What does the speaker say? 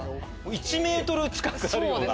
１ｍ近くあるような。